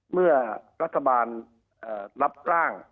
เมื่อรัฐบาลรับร่าง